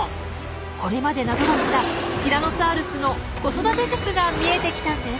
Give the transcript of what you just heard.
これまで謎だったティラノサウルスの子育て術が見えてきたんです！